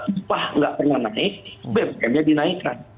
upah nggak pernah naik bbm nya dinaikkan